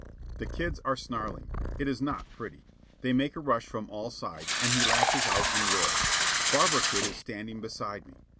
The kids are snarling. It is not pretty. They make a rush from all sides, and he lashes out and whirls. Barber Kid is standing beside me.